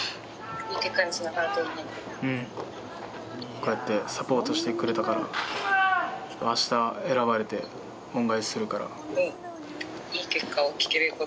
こうやってサポートしてくれたから、明日選ばれて恩返しするから。